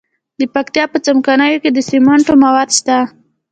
د پکتیا په څمکنیو کې د سمنټو مواد شته.